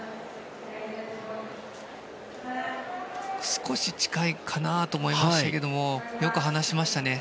少し近いかなと思いましたけどもよく離しましたね。